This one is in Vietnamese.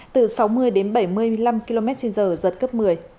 từ sáu mươi đến bảy mươi năm km trên giờ giật cấp một mươi